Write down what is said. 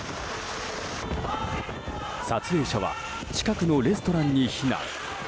撮影者は近くのレストランに避難。